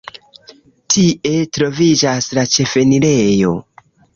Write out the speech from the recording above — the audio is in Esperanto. Tie troviĝas la ĉefenirejo.